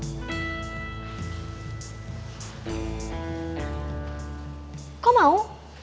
jadi dia berkenan untuk nemenin mas untuk pura pura jadi istri mas